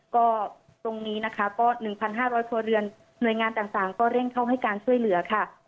ก็ตรงนี้นะคะก็๑๕๐๐ครัวเรือนหน่วยงานต่างก็เร่งเข้าให้การช่วยเหลือค่ะ